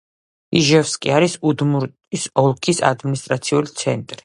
იჟევსკი არის უდმურტეთის ოლქის ადმინისტრაციული ცენტრი.